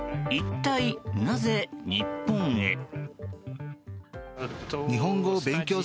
一体なぜ日本へ？